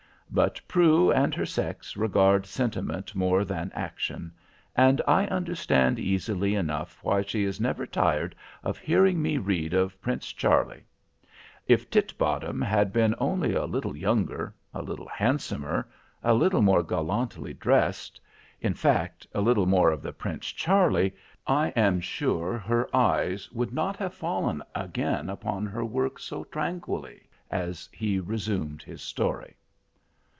But Prue and her sex regard sentiment more than action, and I understand easily enough why she is never tired of hearing me read of Prince Charlie. If Titbottom had been only a little younger, a little handsomer, a little more gallantly dressed—in fact, a little more of the Prince Charlie, I am sure her eyes would not have fallen again upon her work so tranquilly, as he resumed his story.